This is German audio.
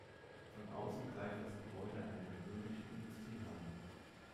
Von außen gleicht das Gebäude einer gewöhnlichen Industriehalle.